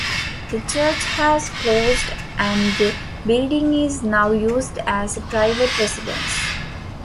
The church has closed and the building is now used as a private residence.